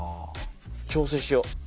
調整しよう。